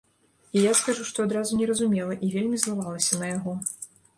І я скажу, што адразу не разумела і вельмі злавалася на яго.